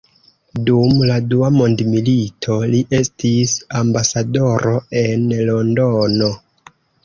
Dum la dua mondmilito, li estis ambasadoro en Londono.